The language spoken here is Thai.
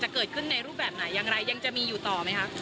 เกิดขึ้นในรูปแบบไหนอย่างไรยังจะมีอยู่ต่อไหมคะ